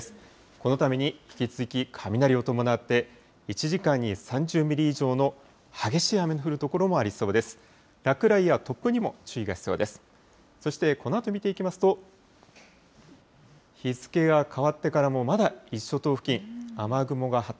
このために引き続き雷を伴って、１時間に３０ミリ以上の激しい雨の降る所もありそうです。